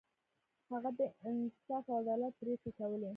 هغه د انصاف او عدالت پریکړې کولې.